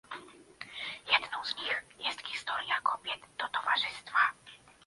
Jedną z nich jest historia "kobiet do towarzystwa"